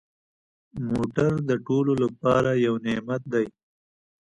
موټر د ټولو لپاره یو نعمت دی.